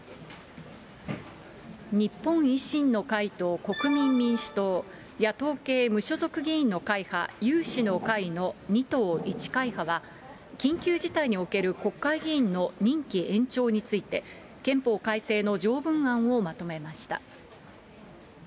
日本維新の会と国民民主党、野党系無所属議員の会派、有志の会派の２党１会派は、緊急事態における国会議員の任期延長について、憲法改正の条文案をまとめました。